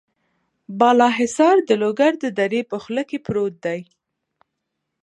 بالا حصار د لوګر د درې په خوله کې پروت دی.